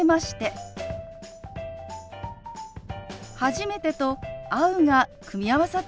「初めて」と「会う」が組み合わさった表現です。